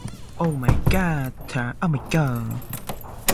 If the fire goes out on the march, it is an evil omen.